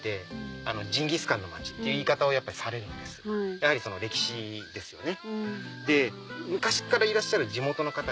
やはりその歴史ですよね。